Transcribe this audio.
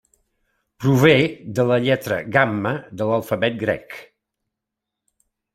Prové de la lletra gamma de l'alfabet grec.